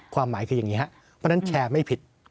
ความหมายคืออย่างนี้ครับเพราะฉะนั้นแชร์ไม่ผิด